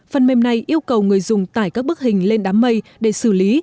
phần mềm này yêu cầu người dùng tải các bức hình lên đám mây để xử lý